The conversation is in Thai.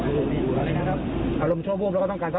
แล้วเอามันเข้าไปทำอะไรบ้างครับพี่